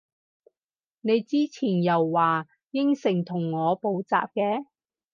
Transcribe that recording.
你之前又話應承同我補習嘅？